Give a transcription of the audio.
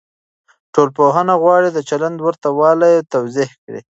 ټولنپوهنه غواړي د چلند ورته والی توضيح کړي.